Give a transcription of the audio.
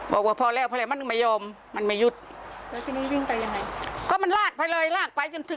บอกว่าพอแล้วมันไม่ยอมมันไม่ยุทษ์อันนี้วิ่งไปยังไง